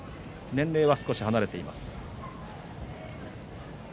年齢は少し離れています。